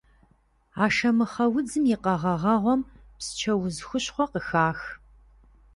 Ашэмыхъэ удзым и къэгъэгъэгъуэм псчэуз хущхъуэ къыхах.